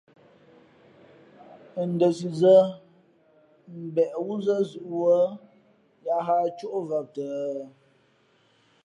Ndα sǐ zᾱ mbeʼ wúzᾱ zʉ̌ʼ wūᾱ , yā hᾱ ǎ cóʼvam tα̌.